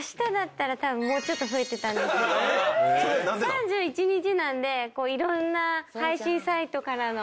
３１日なんでいろんな配信サイトからの。